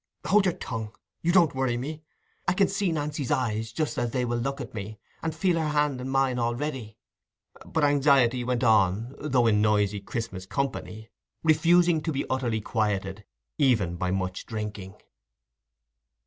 "Hold your tongue, and don't worry me. I can see Nancy's eyes, just as they will look at me, and feel her hand in mine already." But Anxiety went on, though in noisy Christmas company; refusing to be utterly quieted even by much drinking.